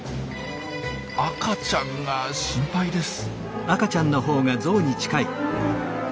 赤ちゃんが心配です。